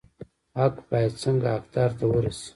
حق باید څنګه حقدار ته ورسي؟